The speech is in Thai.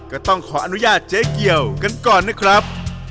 ก็ต้องขออนุญาตเจ๊เกียวกันก่อนนะครับ